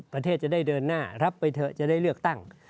ประเทศจะได้เดินหน้ารับไปเถอะจะได้เลือกตั้ง